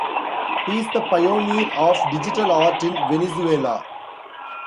He is the pioneer of digital art in Venezuela.